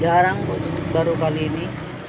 jarang baru kali ini